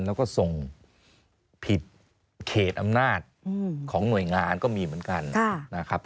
แล้วก็ส่งผิดเขตอำนาจของหน่วยงานก็มีเหมือนกันนะครับ